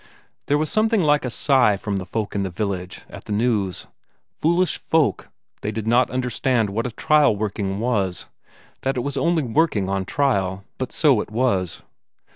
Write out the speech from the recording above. There was something like a sigh from the folk in the village at the news; foolish folk, they did not understand what a trial working was, that it was only working on trial, but so it was.